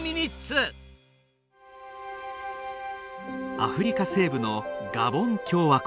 アフリカ西部のガボン共和国。